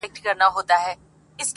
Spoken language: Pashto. دا خو ورور مي دی بې حده حرامخوره,